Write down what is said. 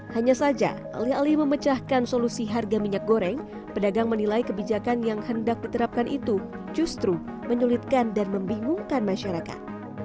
hanya saja alih alih memecahkan solusi harga minyak goreng pedagang menilai kebijakan yang hendak diterapkan itu justru menyulitkan dan membingungkan masyarakat